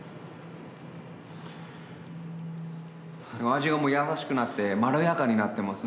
味が優しくなってまろやかになってます。